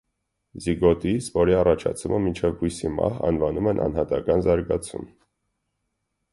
Զիգոտի, սպորի առաջացումը մինչև բույսի մահ անվանում են անհատական զարգացում։